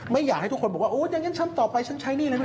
ไม่อยากให้ทุกคนบอกว่าโอ๊ยอย่างนั้นฉันต่อไปฉันใช้หนี้เลยนะ